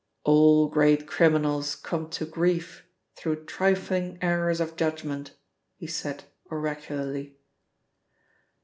"All great criminals come to grief through trifling errors of judgment," he said oracularly.